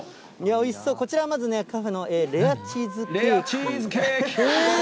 おいしそう、こちらまずね、カフェのレアチーズケーキ。